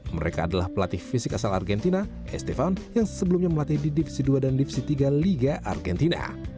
mereka adalah pelatih fisik asal argentina estefan yang sebelumnya melatih di divisi dua dan divisi tiga liga argentina